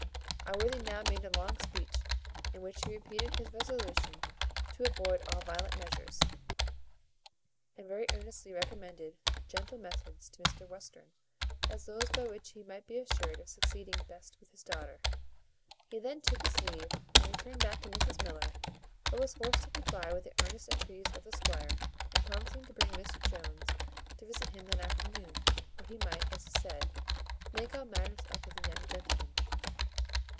Allworthy now made a long speech, in which he repeated his resolution to avoid all violent measures, and very earnestly recommended gentle methods to Mr Western, as those by which he might be assured of succeeding best with his daughter. He then took his leave, and returned back to Mrs Miller, but was forced to comply with the earnest entreaties of the squire, in promising to bring Mr Jones to visit him that afternoon, that he might, as he said, "make all matters up with the young gentleman."